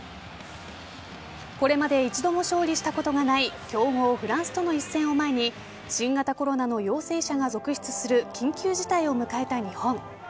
これまで一度も勝利したことがない強豪・フランスとの一戦を前に新型コロナの陽性者が続出する緊急事態を迎えた日本。